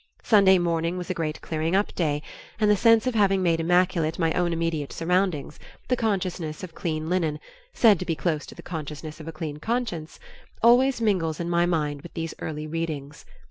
Sunday morning was a great clearing up day, and the sense of having made immaculate my own immediate surroundings, the consciousness of clean linen, said to be close to the consciousness of a clean conscience, always mingles in my mind with these early readings.